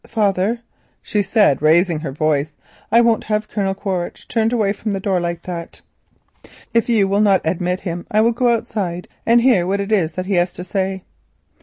"Father," she said, raising her voice, "I won't have Colonel Quaritch turned away from the door like this. If you will not admit him I will go outside and hear what it is that he has to say."